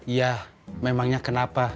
iya memangnya kenapa